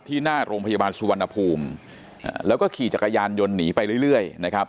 หน้าโรงพยาบาลสุวรรณภูมิแล้วก็ขี่จักรยานยนต์หนีไปเรื่อยนะครับ